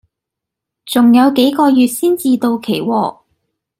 仲有幾個月先至到期喎